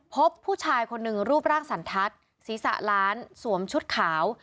พบผู้ชายคนหนึ่งรูปร่างสันทัศน์ศีรษะล้านสวมชุดขาว